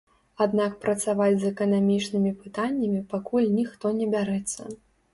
Аднак працаваць з эканамічнымі пытаннямі пакуль ніхто не бярэцца.